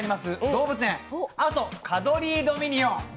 動物園阿蘇カドリー・ドミニオン